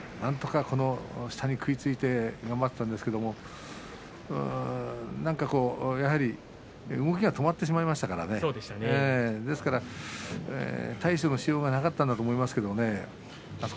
照強もなんとか下に食いついて頑張ったんですがやはり動きが止まってしまいましたからねですから対処のしようがなかったんだと思います。